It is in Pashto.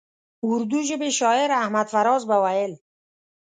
اردو ژبي شاعر احمد فراز به ویل.